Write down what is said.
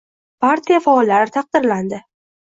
Partiya faollari taqdirlandi